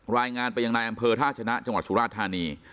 รายงานไปยังนายอำเภอท่าชนะจังหวัดสุราธานี